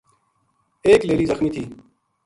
ایک لیلی زخمی تھی